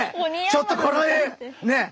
ちょっとこの絵ねっ！